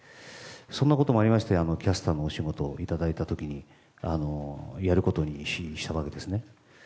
そんなこともありましてキャスターのお仕事をいただいた時にやることにしたわけですね。